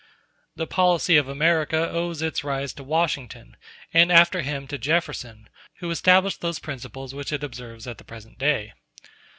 ] The policy of America owes its rise to Washington, and after him to Jefferson, who established those principles which it observes at the present day.